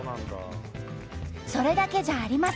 それだけじゃありません！